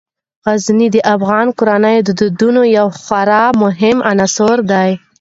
غزني د افغان کورنیو د دودونو یو خورا مهم عنصر دی.